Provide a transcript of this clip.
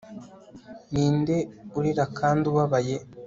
Ni nde urira kandi ubabaye